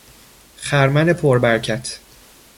خرمن پر برکت